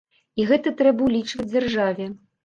І гэта трэба ўлічваць дзяржаве.